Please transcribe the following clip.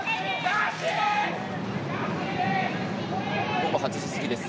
午後８時過ぎです。